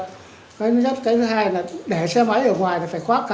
thứ hai là để xe máy ở ngoài phải khoác cài